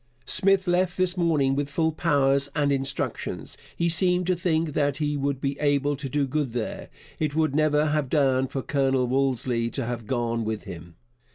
Smith left this morning with full powers and instructions. He seemed to think that he would be able to do good there. It would never have done for Colonel Wolseley to have gone with him.